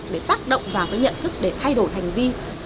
để tác động vào cái nhận thức để thay đổi hành vi